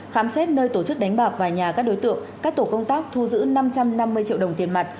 khám xét nơi tổ chức đánh bạc và nhà các đối tượng các tổ công tác thu giữ năm trăm năm mươi triệu đồng tiền mặt